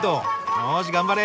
よし頑張れ。